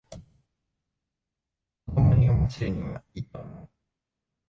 子供に読ませるにはいいと思う